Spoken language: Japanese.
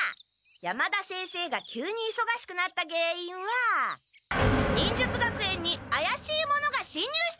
山田先生が急にいそがしくなったげんいんは忍術学園にあやしい者がしんにゅうしたせい！